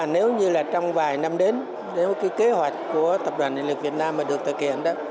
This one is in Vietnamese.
nếu như trong vài năm đến nếu kế hoạch của tập đoàn điện lực việt nam được thực hiện